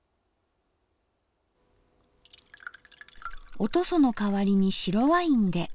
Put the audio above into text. お屠蘇の代わりに白ワインで。